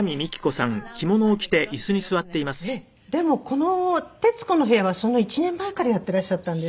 でもこの『徹子の部屋』はその１年前からやってらっしゃったんです。